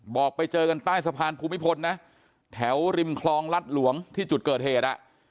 บอกไปเจอกันใต้สะพานภูมิพลนะแถวริมคลองรัฐหลวงที่จุดเกิดเหตุ